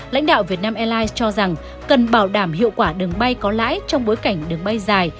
lãnh đạo việt nam airlines cho rằng cần bảo đảm hiệu quả đường bay có lãi trong bối cảnh đường bay dài